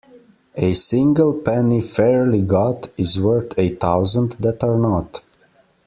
A single penny fairly got is worth a thousand that are not.